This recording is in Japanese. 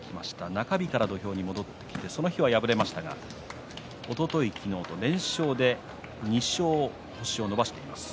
中日から土俵に戻ってその日は敗れましたがおととい、昨日と連勝で２勝と星を伸ばしました。